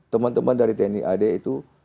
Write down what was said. teman teman dari tni ad itu